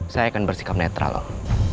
saya akan bersikap netral